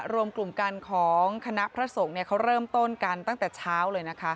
รวมกลุ่มกันของคณะพระสงฆ์เขาเริ่มต้นกันตั้งแต่เช้าเลยนะคะ